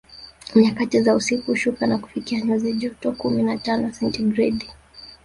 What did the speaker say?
Nyakati za usiku hushuka na kufikia nyuzi joto kumi na tano sentigredi